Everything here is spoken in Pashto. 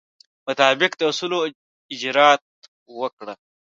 مطابق د اصولو اجرات وکړه.